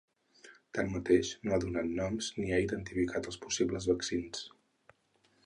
Tanmateix, no ha donat noms ni ha identificat els possibles vaccins.